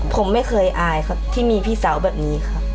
ผมไม่เคยอายครับที่มีพี่สาวแบบนี้ครับ